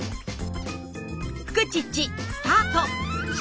「フクチッチ」スタート！